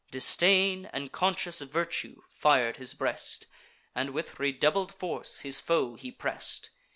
Disdain and conscious virtue fir'd his breast, And with redoubled force his foe he press'd.